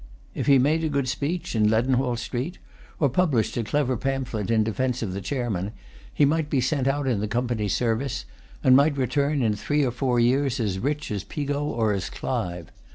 If he made a good speech in Leadenhall Street, or published a clever pamphlet in defence of the chairman, he might be sent out in the Company's service, and might return in three or four years as rich as Pigot or as Clive.